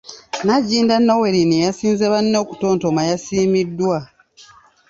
Nagginda Noeline eyasinze banne okutontoma yasiimiddwa.